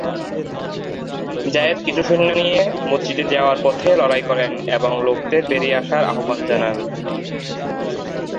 জায়েদ কিছু সৈন্য নিয়ে মসজিদে যাওয়ার পথে লড়াই করেন এবং লোকেদের বেরিয়ে আসার আহ্বান জানান।